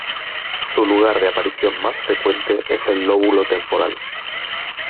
Su lugar de aparición más frecuente es el lóbulo temporal.